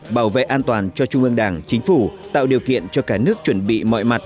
bảo vệ an toàn cho trung ương đảng chính phủ tạo điều kiện cho cả nước chuẩn bị mọi mặt